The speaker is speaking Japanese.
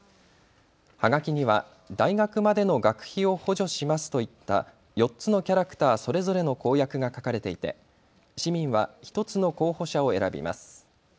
はがきには大学までの学費を補助しますといった４つのキャラクターそれぞれの公約が書かれていて市民は１つの候補者を選びます。